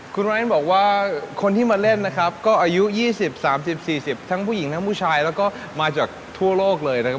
คุณแว้นบอกว่าคนที่มาเล่นนะครับก็อายุ๒๐๓๐๔๐ทั้งผู้หญิงทั้งผู้ชายแล้วก็มาจากทั่วโลกเลยนะครับ